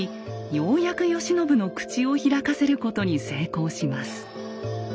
ようやく慶喜の口を開かせることに成功します。